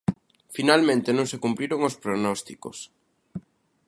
Finalmente non se cumpriron os prognósticos.